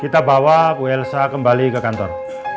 kita bawa bu elsa kembali ke kantor